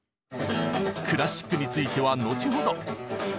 クラシックについては後ほど。